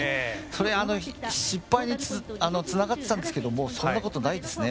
それ、失敗につながってたんですけどもそんなことないですね。